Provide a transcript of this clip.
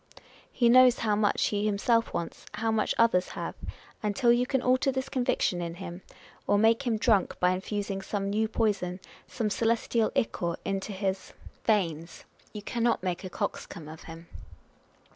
He knows how much t he himself wants, how much others have ; and till you can alter this conviction in him, or make him drunk by infusing some new poison, some celestial ichor into his 334 On Personal Character. veins, you cannot make a coxcomb of him.